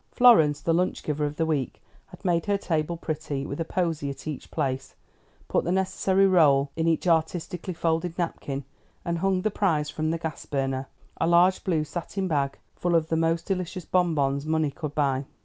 Florence, the lunch giver of the week, had made her table pretty with a posy at each place, put the necessary roll in each artistically folded napkin, and hung the prize from the gas burner, a large blue satin bag full of the most delicious bonbons money could buy.